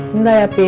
nggak ya pi